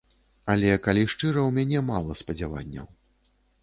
Але, калі шчыра, у мяне магла спадзяванняў.